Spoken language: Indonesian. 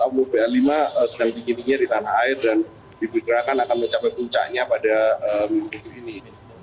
omur b lima sedang bingit bingitnya di tanah air dan dipergerakan akan mencapai puncaknya pada minggu ini